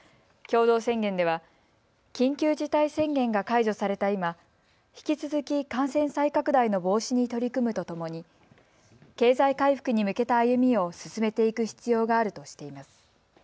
共同宣言では緊急事態宣言が解除された今、引き続き感染再拡大の防止に取り組むとともに経済回復に向けた歩みを進めていく必要があるとしています。